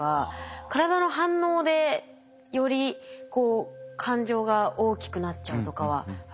体の反応でより感情が大きくなっちゃうとかはありましたね。